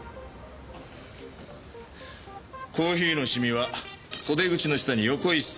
コーヒーのシミは袖口の下に横一線